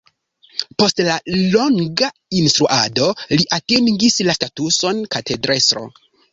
Post la longa instruado li atingis la statuson katedrestro.